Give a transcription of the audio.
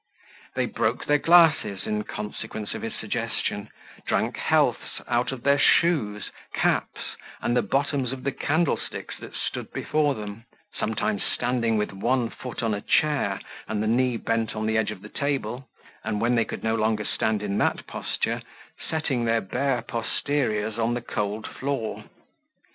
They broke their glasses in consequence of his suggestion, drank healths out of their shoes, caps, and the bottoms of the candlesticks that stood before them, sometimes standing with one foot on a chair, and the knee bent on the edge of the table; and when they could no longer stand in that posture, setting their bare posteriors on the cold floor.